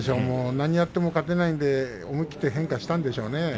何をやっても勝てないので思い切って変化したんでしょうね。